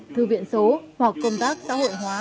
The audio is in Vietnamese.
thư viện số hoặc công tác xã hội hóa